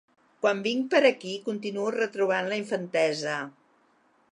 Quan vinc per aquí continuo retrobant la infantesa.